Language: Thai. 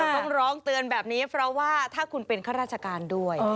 ต้องร้องเตือนแบบนี้เพราะว่าถ้าคุณเป็นข้าราชการด้วย